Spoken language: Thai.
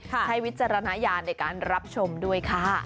วิจารณญาณในการรับชมด้วยค่ะ